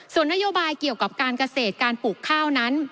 ส่วนนโยบายเกี่ยวกับการเกษตรการปลูกข้าวนั้น